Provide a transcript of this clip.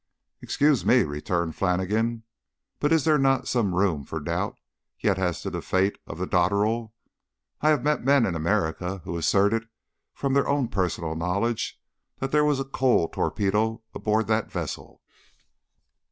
"Excuse me," returned Flannigan, "but is there not some room for doubt yet as to the fate of the Dotterel? I have met men in America who asserted from their own personal knowledge that there was a coal torpedo aboard that vessel."